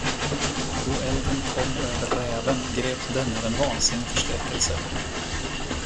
Då elden kom över räven, greps denne av en vansinnig förskräckelse.